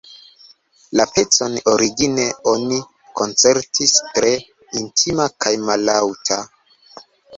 La pecon origine oni koncertis tre intima kaj mallaŭta.